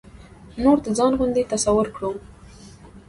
نور د ځان غوندې تصور کړو.